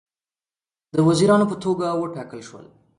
د وزیرانو په توګه وټاکل شول.